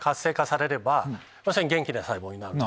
要するに元気な細胞になると。